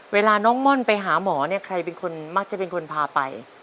เวลาน้องม่อนไปหาหมอเนี่ยใครเป็นคนมักจะเป็นคนพาไป